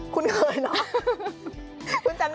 คุณเคยหรอ